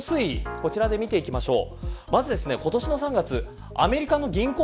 こちらで見ていきましょう。